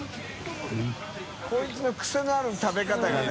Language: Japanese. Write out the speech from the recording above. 海い弔クセのある食べ方がね。